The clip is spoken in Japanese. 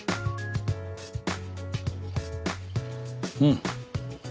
うん。